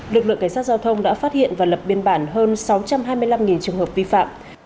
lực lượng cảnh sát giao thông đã phát hiện và lập biên bản hơn sáu trăm hai mươi năm trường hợp vi phạm